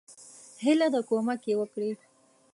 هیله ده کومک یی وکړي.